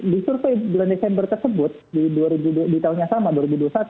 di survei bulan desember tersebut di tahun yang sama dua ribu dua puluh satu